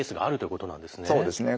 そうですね。